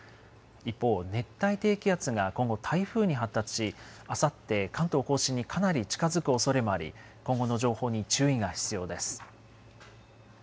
一方、熱帯低気圧が今後、台風に発達し、あさって関東甲信にかなり近づくおそれもあり、今後の情報に注意が必要です。